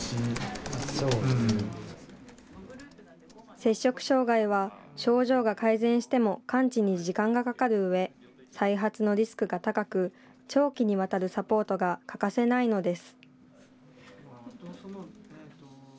摂食障害は、症状が改善しても完治に時間がかかるうえ、再発のリスクが高く、長期にわたるサポートが欠かせないのです。